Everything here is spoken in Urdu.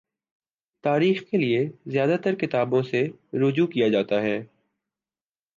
تاریخ کے لیے زیادہ ترکتابوں سے رجوع کیا جاتا ہے۔